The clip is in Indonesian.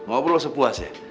ngobrol sepuas ya